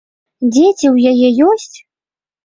Дзеці ў яе ёсць?